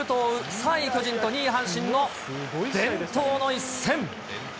３位巨人と２位阪神の伝統の一戦。